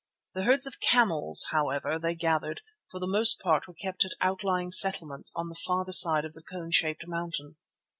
The herds of camels, however, they gathered, for the most part were kept at outlying settlements on the farther side of the cone shaped mountain.